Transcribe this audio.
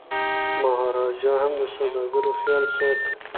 مهاراجا هم د سوداګرو خیال ساتي.